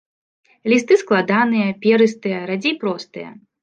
Лісты складаныя, перыстыя, радзей простыя.